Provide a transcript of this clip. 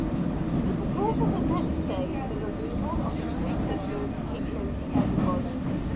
In the course of the next day the removal of the three prisoners became known to everybody.